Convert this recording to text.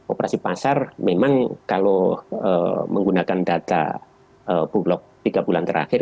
operasi pasar memang kalau menggunakan data bulog tiga bulan terakhir